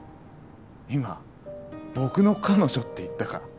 今僕の彼女って言ったか？